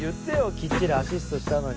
きっちりアシストしたのに。